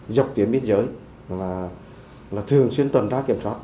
dọc tiến biên giới là thường xuyên tuần ra kiểm soát